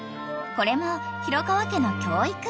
［これも廣川家の教育］